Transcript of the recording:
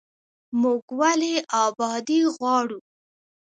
موږ ولې ابادي غواړو؟